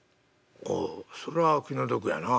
「おおそれは気の毒やな」。